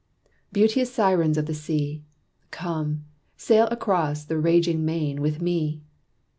"Beauteous sirens of the sea, Come sail across the raging main with me!"